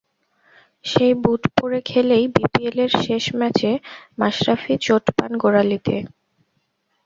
সেই বুট পরে খেলেই বিপিএলের শেষ ম্যাচে মাশরাফি চোট পান গোড়ালিতে।